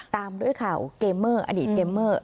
ตามด้วยข่าวเกมเมอร์อดีตเกมเมอร์